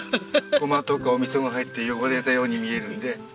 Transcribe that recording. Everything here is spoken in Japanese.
ゴマとかおみそが入って汚れたように見えるんで。